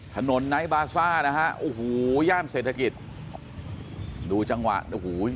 ไนท์บาซ่านะฮะโอ้โหย่านเศรษฐกิจดูจังหวะโอ้โห